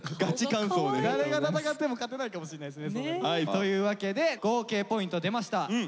誰が戦っても勝てないかもしれないですねそれ。というわけで合計ポイント出ました。